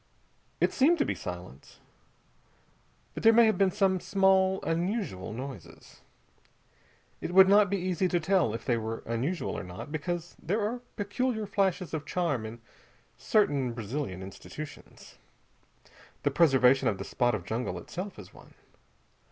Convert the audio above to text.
It seemed to be silence. But there may have been some small unusual noises. It would not be easy to tell if they were unusual or not, because there are peculiar flashes of charm in certain Brazilian institutions. The preservation of the spot of jungle itself is one.